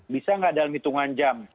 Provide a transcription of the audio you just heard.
bisa nggak dalam hitungan jam